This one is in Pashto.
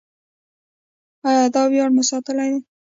آیا دا ویاړ مو ساتلی دی؟